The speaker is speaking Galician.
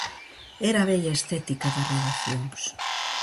Era a vella estética das redaccións.